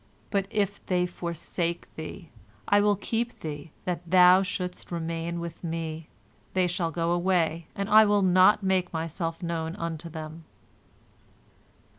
But if they forsake thee, I will keep thee, that thou shouldst remain with me. They shall go away, and I will not make myself known unto them."